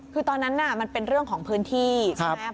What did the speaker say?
คือตอนนั้นมันเป็นเรื่องของพื้นที่ใช่ไหม